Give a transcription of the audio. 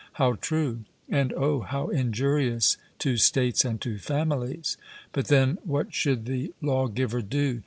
'How true! and oh! how injurious to states and to families!' But then, what should the lawgiver do?